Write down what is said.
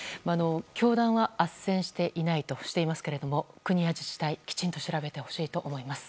教団はあっせんしていないとしていますけれども国や自治体きちんと調べてほしいと思います。